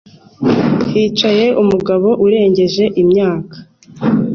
Hicaye umugabo urengeje imyaka